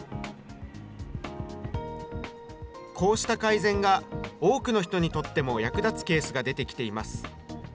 こうした改善が多くの人にとっても役立つケースが出てきています。